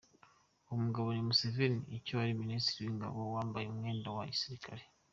Uwo mugabo ni Museveni icyo wari Minisitiri w’ Ingabo yambaye umwenda wa gisirikare.